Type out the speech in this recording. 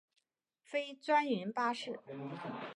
非专营巴士。